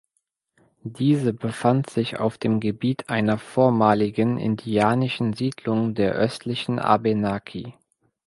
Diese befand sich auf dem Gebiet einer vormaligen indianischen Siedlung der östlichen Abenaki.